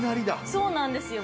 ◆そうなんですよ。